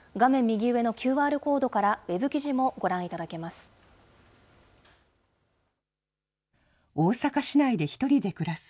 右上のＱＲコードからウェブ記事もご覧いただけます。